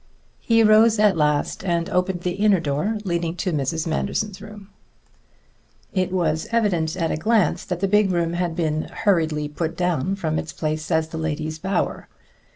He rose at last and opened the inner door leading to Mrs. Manderson's room. It was evident at a glance that the big room had been hurriedly put down from its place as the lady's bower.